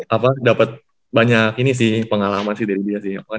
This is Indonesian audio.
apa dapet banyak ini sih pengalaman sih dari dia sih